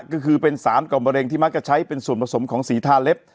ก็คือเป็นสารก่อมะเร็งที่มักจะใช้เป็นส่วนผสมของสีทาเล็บ